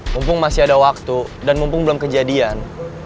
mumpung masih ada waktu dan mumpung belum kejadian